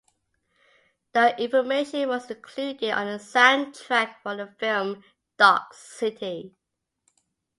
"The Information" was included on the soundtrack for the film "Dark City".